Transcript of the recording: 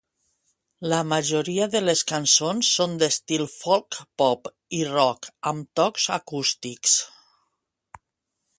La majoria de les cançons són d'estil folk pop i rock amb tocs acústics.